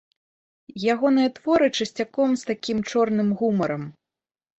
Ягоныя творы, часцяком, з такім чорным гумарам.